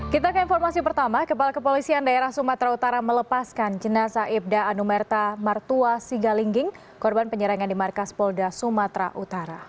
kita ke informasi pertama kepala kepolisian daerah sumatera utara melepaskan jenazah ibda anumerta martua sigalingging korban penyerangan di markas polda sumatera utara